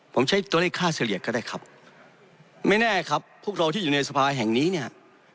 ผมใช้ตัวเลขค่าเฉลี่ยก็ได้ครับไม่แน่ครับพวกเราที่อยู่ในสภาแห่งนี้เนี่ย